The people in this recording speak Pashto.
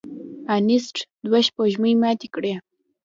انیسټ دوه سپوږمۍ ماتې کړې.